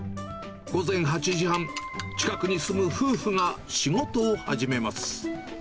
午前８時半、近くに住む夫婦が仕事を始めます。